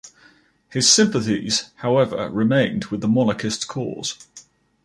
His sympathies, however, remained with the monarchist cause.